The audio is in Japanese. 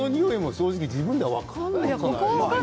正直、自分では分からないですよね。